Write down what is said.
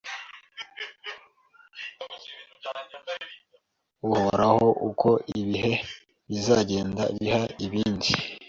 uhoraho uko ibihe bizagenda biha ibindi,